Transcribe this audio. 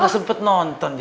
tidak sempat nonton